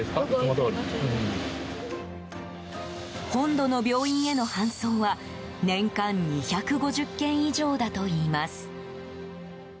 本土の病院への搬送は年間２５０件以上だといいます。